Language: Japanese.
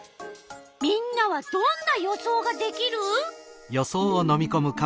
みんなはどんな予想ができる？